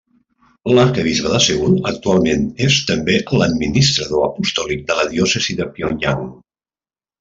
L'arquebisbe de Seül actualment és també l'administrador apostòlic de la diòcesi de Pyongyang.